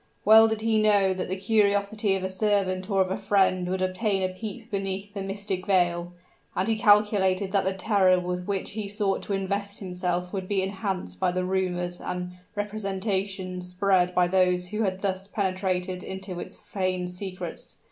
Well did he know that the curiosity of a servant or of a friend would obtain a peep beneath the mystic veil; and he calculated that the terror with which he sought to invest himself would be enhanced by the rumors and representations spread by those who had thus penetrated into its feigned secrets.